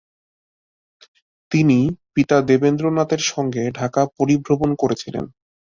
তিনি পিতা দেবেন্দ্রনাথের সঙ্গে ঢাকা পরিভ্রমণ করেছিলেন।